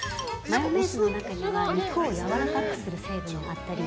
◆マヨネーズの中には、肉をやわらかくする成分があったり